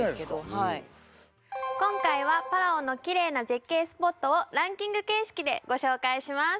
はい今回はパラオのきれいな絶景スポットをランキング形式でご紹介します